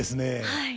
はい。